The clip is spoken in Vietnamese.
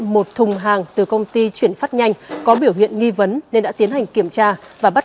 một thùng hàng từ công ty chuyển phát nhanh có biểu hiện nghi vấn nên đã tiến hành kiểm tra và bắt